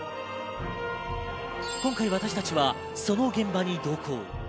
今回、私たちはその現場に同行。